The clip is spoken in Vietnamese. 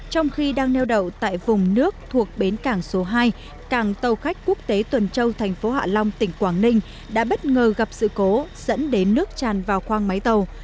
trong khi đang neo đậu tại vùng nước thuộc bến cảng số hai cảng tàu khách quốc tế tuần châu thành phố hạ long tỉnh quảng ninh đã bất ngờ gặp sự cố dẫn đến nước tràn vào khoang máy tàu